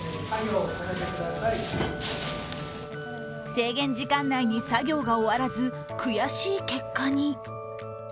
制限時間内に作業が終わらず悔しい結果に。